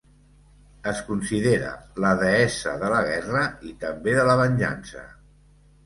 Es considera la deessa de la guerra i també de la venjança.